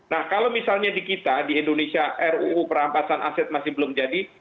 nah kalau misalnya di kita di indonesia ruu perampasan aset masih belum jadi